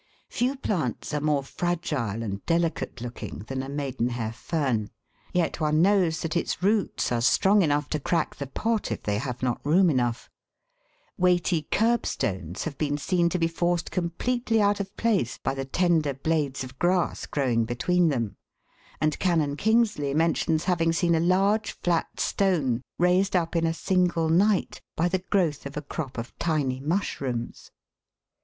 Few plants are more fragile and delicate looking than a maidenhair fern, yet one knows that its roots are strong enough to crack the pot if they have not room enough ; weighty kerb stones have been seen to be forced completely ioo THE WORLD'S LUMBER ROOM. out of place by the tender blades of grass growing between them ; and Canon Kingsley mentions having seen a large flat stone raised up in a single night by the growth of a crop of tiny mushrooms.